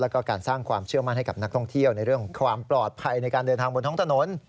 แล้วก็การสร้างความเชื่อมั่นให้กับนักท่องเที่ยวในเรื่องของความปลอดภัยในการเดินทางบนท้องถนน